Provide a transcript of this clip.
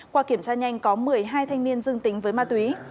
qua kiểm tra nhanh có một mươi hai thanh niên dương tính với ma túy